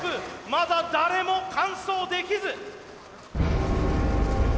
まだ誰も完走できず！